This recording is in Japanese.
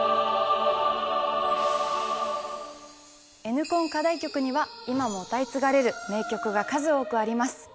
Ｎコン課題曲には今も歌い継がれる名曲が数多くあります。